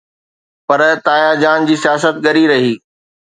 پر تايا جان جي سياست ڳري رهي.